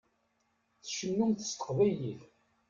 Tcennumt s teqbaylit.